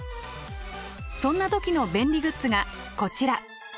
そんな時の便利グッズがこちら。